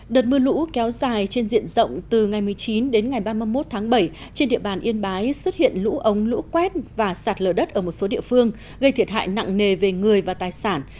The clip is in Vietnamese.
đợt mưa lũ kéo dài trên diện rộng từ ngày một mươi chín đến ngày ba mươi một tháng bảy trên địa bàn yên bái xuất hiện lũ ống lũ quét và sạt lở đất ở một số địa phương gây thiệt hại nặng nề về người và tài sản